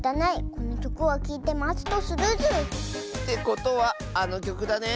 このきょくをきいてまつとするズー。ってことはあのきょくだね？